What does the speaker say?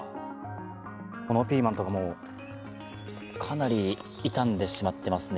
このピーマンとかもかなり傷んでしまっていますね。